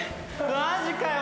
マジかよ。